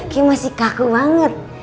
kayaknya masih kaku banget